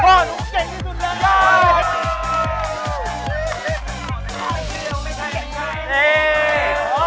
ว่าหนูเก่งที่สุดแล้ว